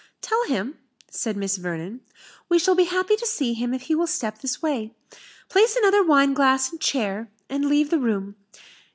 "Tell him," said Miss Vernon, "we shall be happy to see him if he will step this way place another wineglass and chair, and leave the room.